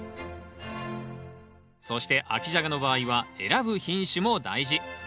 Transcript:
そして秋ジャガの場合は選ぶ品種も大事。